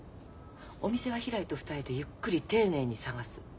お店はひらりと２人でゆっくり丁寧に探す。